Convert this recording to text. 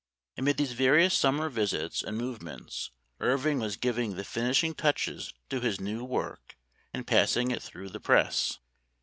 Amid these various summer visits and move ments Irving was giving the finishing touches to his new work and passing it through the press.